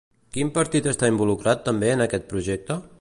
Quin partit està involucrat també en aquest projecte?